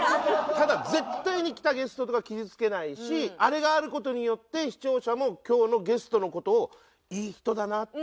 ただ絶対に来たゲストとか傷つけないしあれがある事によって視聴者も今日のゲストの事を「いい人だな」。